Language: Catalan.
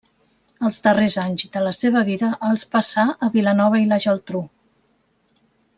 Els darrers anys de la seva vida els passà a Vilanova i la Geltrú.